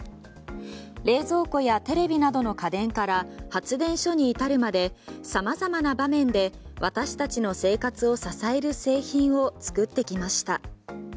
冷蔵庫やテレビなどの家電から発電所に至るまで様々な場面で私たちの生活を支える製品を作ってきました。